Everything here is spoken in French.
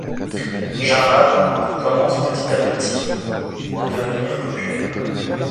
Jarad commence petit à petit à devenir populaire.